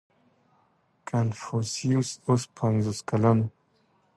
• کنفوسیوس اوس پنځوس کلن و.